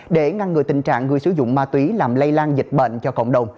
để ngăn ngừa tình trạng người sử dụng ma túy làm lây lan dịch bệnh cho cộng đồng